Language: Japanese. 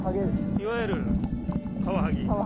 いわゆるカワハギ。